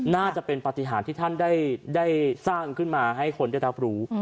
น่าจะเป็นปฏิหารที่ท่านได้สร้างขึ้นมาให้คนได้รับรู้